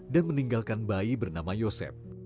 dan meninggalkan bayi bernama yosep